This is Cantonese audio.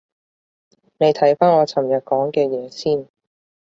你睇返我尋日講嘅嘢先